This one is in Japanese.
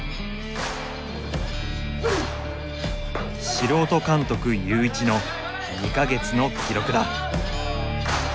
素人監督ユーイチの２か月の記録だ。